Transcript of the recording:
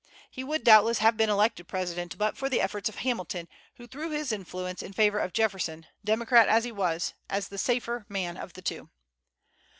He would, doubtless, have been elected president but for the efforts of Hamilton, who threw his influence in favor of Jefferson, Democrat as he was, as the safer man of the two.